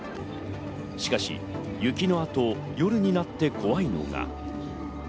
しかし雪の後、夜になって怖いのが。